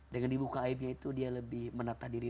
dengan dibuka aibnya itu dia lebih menata diri